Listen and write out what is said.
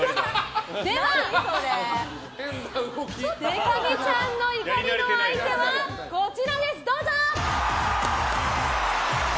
では、でか美ちゃんの怒りの相手はこちらです、どうぞ。